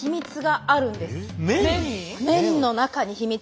麺の中に秘密が。